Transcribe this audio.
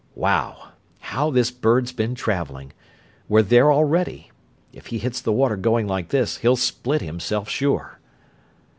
Wow! how this bird's been traveling! We're there already! If he hits the water going like this, he'll split himself, sure!"